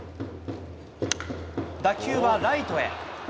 打球はライトへ。